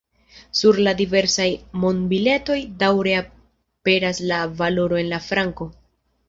Sur la diversaj monbiletoj daŭre aperas la valoro en la franko.